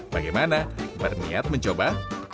bagaimana berniat mencoba